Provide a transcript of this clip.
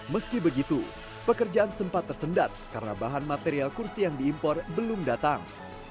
meski begitu pekerjaan sempat tersendat karena bahan material kursi yang diimpor belum datang